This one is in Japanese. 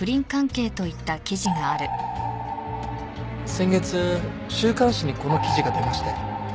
先月週刊誌にこの記事が出まして。